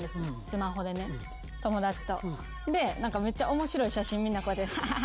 スマホでね友達と。でめっちゃ面白い写真ハハハ